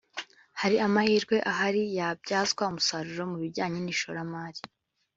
Hari amahirwe ahari yabyazwa umusaruro mu bijyanye n’ishoramari